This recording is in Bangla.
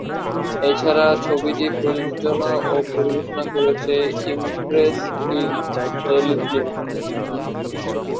এছাড়া ছবিটি প্রযোজনা ও পরিবেশনা করেছে ইমপ্রেস টেলিফিল্ম।